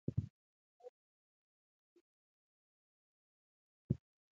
هر سهار قرآن کریم لولو او په لارښوونو يې عمل کوو.